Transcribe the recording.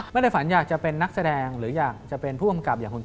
ในฝันอยากจะเป็นนักแสดงหรืออยากจะเป็นผู้กำกับอย่างคุณพ่อ